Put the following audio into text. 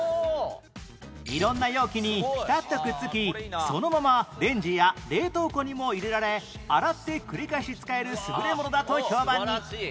色んな容器にピタッとくっつきそのままレンジや冷凍庫にも入れられ洗って繰り返し使える優れものだと評判に